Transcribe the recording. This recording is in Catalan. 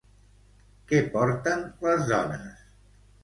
Què porten les dones?